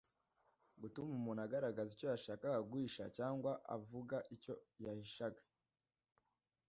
gutuma umuntu agaragaza icyo yashakaga guhisha cyangwa avuga icyo yahishaga